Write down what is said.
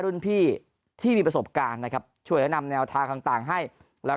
รุ่นพี่ที่มีประสบการณ์นะครับช่วยแนะนำแนวทางต่างต่างให้แล้วก็